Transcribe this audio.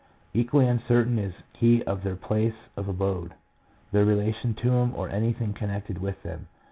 Equally uncertain is he of their place of abode, their relation to him or anything connected with them.